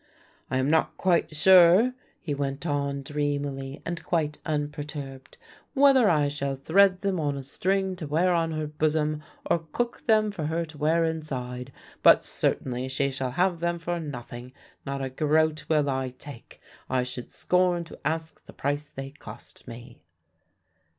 "I am not quite sure," he went on dreamily and quite unperturbed, "whether I shall thread them on a string to wear on her bosom, or cook them for her to wear inside; but certainly she shall have them for nothing; not a groat will I take. I should scorn to ask the price they cost me."